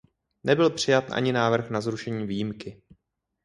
Nebyl přijat ani návrh na zrušení výjimky.